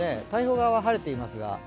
太平洋側は晴れていますが。